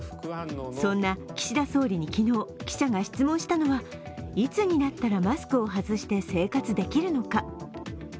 そんな岸田総理に昨日、記者が質問したのはいつになったらマスクを外して生活できるのか。